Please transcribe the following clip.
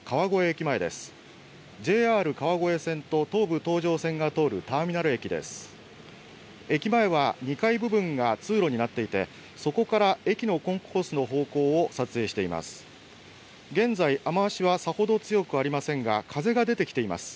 駅前は２階部分が通路になっていてそこから駅のコンコースの方向を撮影しています。